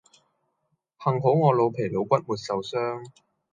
幸好我老皮老骨沒受傷